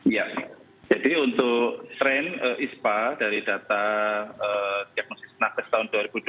ya jadi untuk tren ispa dari data diagnosis nakes tahun dua ribu dua puluh